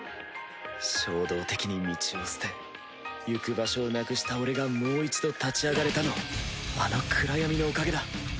衝動的に道を捨て行く場所をなくした俺がもう一度立ち上がれたのはあの暗闇のおかげだ。